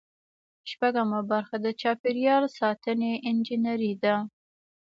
شپږمه برخه د چاپیریال ساتنې انجنیری ده.